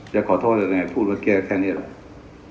จะขอโทษเลยไงพูดว่าแกแค่เนี่ยเหรอ